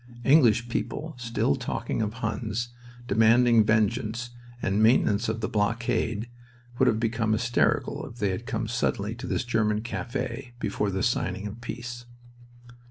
English people still talking of Huns, demanding vengeance, the maintenance of the blockade, would have become hysterical if they had come suddenly to this German cafe before the signing of peace.